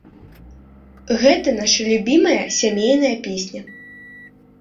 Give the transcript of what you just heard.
Гэта нашая любімая сямейная песня.